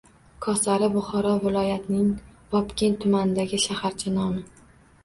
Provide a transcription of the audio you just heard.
Kosari – Buxoro viloyatining Vobkent tumanidagi shaharcha nomi.